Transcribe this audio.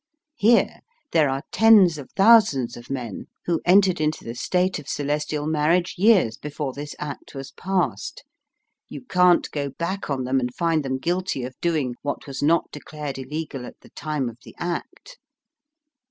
Here there are tens of thousands of men who VOL. I. 8 Digitized by VjOOQIC 114 EAST BY WEST. entered into the state of celestial marriage years before this Act was passed. You can't go back on them and find them guilty of doing what was not declared illegal at the time of the Act.